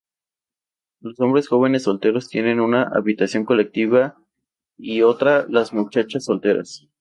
Los hombres jóvenes solteros tienen una habitación colectiva y otra las muchachas solteras.